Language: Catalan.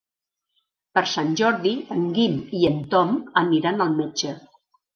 Per Sant Jordi en Guim i en Tom aniran al metge.